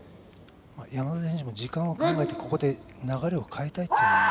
山田選手は時間を考えてここで流れを変えたいでしょうね。